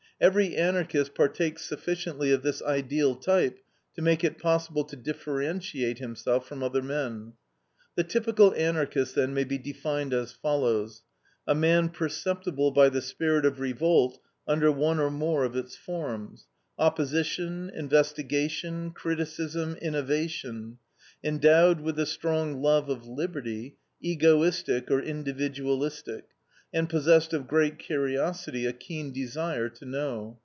Every Anarchist partakes sufficiently of this ideal type to make it possible to differentiate him from other men. The typical Anarchist, then, may be defined as follows: A man perceptible by the spirit of revolt under one or more of its forms, opposition, investigation, criticism, innovation, endowed with a strong love of liberty, egoistic or individualistic, and possessed of great curiosity, a keen desire to know.